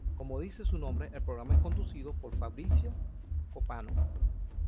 Como dice su nombre el programa es conducido por Fabrizio Copano.